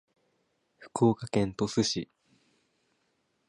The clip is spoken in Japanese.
福岡県鳥栖市